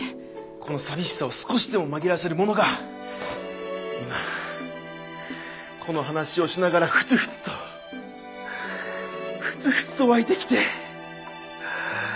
このさみしさを少しでも紛らわせるものがこの話をしながらふつふつとふつふつと湧いてきて。